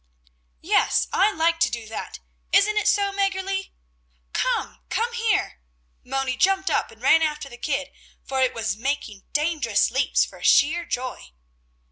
"Yes, I like to do that! Isn't it so, Mäggerli? Come! Come here!" Moni jumped up and ran after the kid, for it was making dangerous leaps for sheer joy.